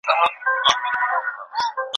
چي په بل وطن کي اوسي نن به وي سبا به نه وي